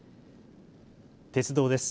鉄道です。